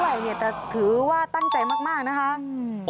เวลาเป็นเท่าไหร่แต่ถือว่าตั้งใจมากนะคะ